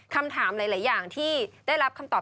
คำถามหลายอย่างที่ได้รับคำตอบ